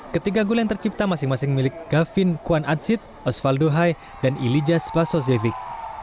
ketiga gol yang tercipta masing masing milik gavin kwan atsid osvaldo hai dan ilija spasozevic